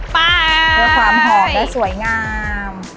เพื่อความหอมได้สวยงาม